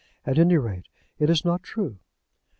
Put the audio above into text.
At any rate, it is not true."